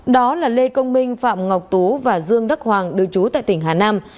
đó là lê công minh phạm ngọc tú và dương đắc hoàng đưa chú tại tỉnh hà nam